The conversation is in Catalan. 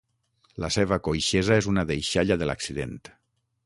La seva coixesa és una deixalla de l'accident.